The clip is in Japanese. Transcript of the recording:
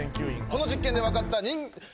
この実験で分かったにん。